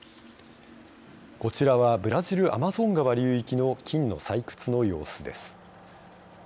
こちらはブラジル、アマゾン川流域の金の採掘の様子です。